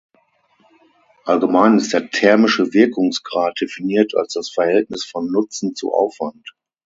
Allgemein ist der thermische Wirkungsgrad definiert als das Verhältnis von Nutzen zu Aufwand.